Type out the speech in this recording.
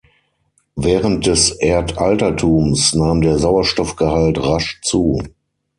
Während des Erdaltertums nahm der Sauerstoffgehalt rasch zu.